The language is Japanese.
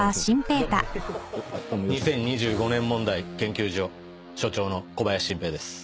どうも２０２５年問題研究所所長の小林晋平です。